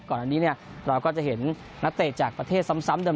ก่อนอันนี้เราก็จะเห็นนักเตะจากประเทศซ้ำเดิม